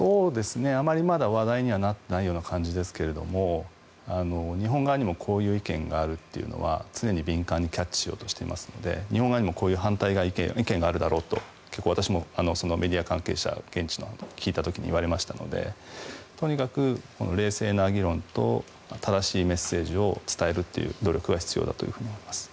あまりまだ話題にはなっていないような感じですが日本側にもこういう意見があるというのは常に敏感にキャッチしようとしていますので日本側にもこういう反対の意見があるだろうと私も結構メディア関係者現地の関係者に聞いた時に言われましたのでとにかく冷静な議論と正しいメッセージを伝えるっていう努力は必要だと思います。